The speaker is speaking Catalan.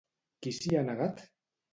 Qui s'hi ha negat?